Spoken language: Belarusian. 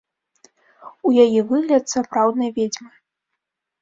У яе выгляд сапраўднай ведзьмы!